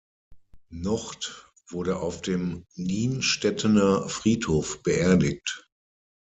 Nocht wurde auf dem Nienstedtener Friedhof beerdigt.